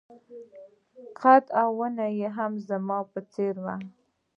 قد او ونه يې هم زما په څېر وه.